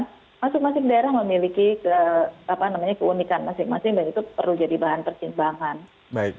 karena masing masing daerah memiliki keunikan masing masing dan itu perlu jadi bahan pertimbangan